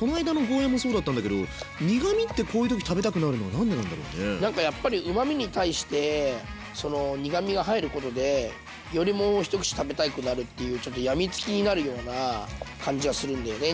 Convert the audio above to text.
この間のゴーヤーもそうだったんだけど何かやっぱりうまみに対して苦みが入ることでよりもう一口食べたくなるっていうちょっとやみつきになるような感じがするんだよね